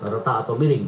retak atau miring